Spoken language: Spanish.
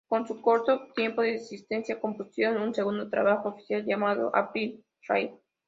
Con su corto tiempo de existencia compusieron su segundo trabajo oficial llamado April Rain.